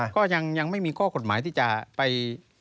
ก็ยังไม่มีข้อกฎหมายที่จะไป